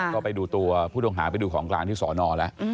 ก็ไปดูตัวผู้ต้องหาไปดูของกลางที่สอนอแล้ว